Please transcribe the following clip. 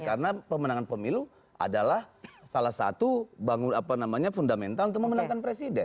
karena pemenangan pemilu adalah salah satu fundamental untuk memenangkan presiden